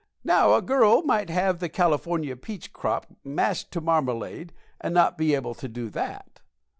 Now, a girl might have the California peach crop mashed to a marmalade and not be able to do that.